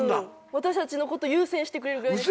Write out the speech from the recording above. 私たちのこと優先してくれるぐらいです。